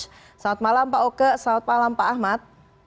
selamat malam pak oke selamat malam pak ahmad